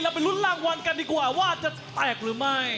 ไปลุ้นรางวัลกันดีกว่าว่าจะแตกหรือไม่